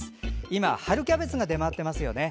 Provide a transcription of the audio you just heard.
今、春キャベツが出回ってますね。